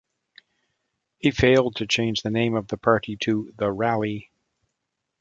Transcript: He failed to change the name of the party to "The Rally".